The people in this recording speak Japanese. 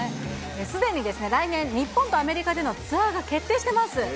すでに来年、日本とアメリカでのツアーが決定してます。